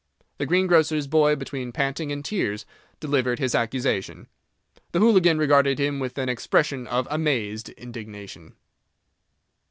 The greengrocer's boy, between panting and tears, delivered his accusation. The hooligan regarded him with an expression of amazed indignation.